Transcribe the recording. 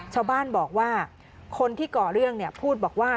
ชาวบ้านบอกว่าคนที่ก่อเรื่องพูดบอกว่า